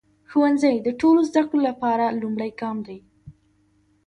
ښوونځی د ټولو زده کړو لپاره لومړی ګام دی.